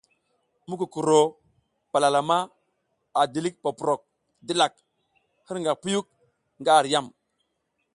Mukukuro palalama a dilik poprok dilak hirnga puyuk nga ar yam.